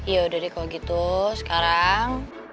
ya udah deh kalau gitu sekarang